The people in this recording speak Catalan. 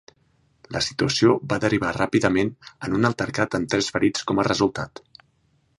La situació va derivar ràpidament en un altercat amb tres ferits com a resultat.